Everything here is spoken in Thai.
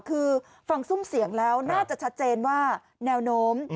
คือฟังซุ่มเสียงแล้วน่าจะชัดเจนว่าแนวโน้ม